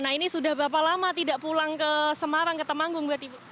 nah ini sudah berapa lama tidak pulang ke semarang ke temanggung berarti ibu